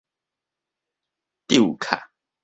抽卡